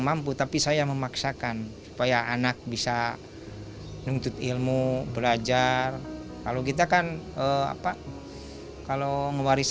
mampu tapi saya memaksakan supaya anak bisa nuntut ilmu belajar kalau kita kan apa kalau ngewaris